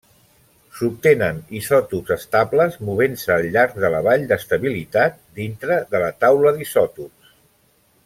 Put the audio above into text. S'obtenen isòtops estables movent-se al llarg de la vall d'estabilitat dintre de la taula d'isòtops.